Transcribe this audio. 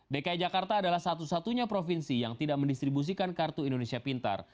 dki jakarta adalah satu satunya provinsi yang tidak mendistribusikan kartu indonesia pintar